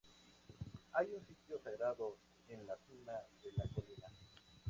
Hay un sitio sagrado en la cima de la colina.